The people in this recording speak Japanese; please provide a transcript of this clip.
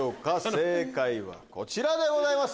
正解はこちらでございます！